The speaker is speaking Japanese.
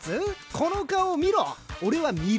この顔を見ろ。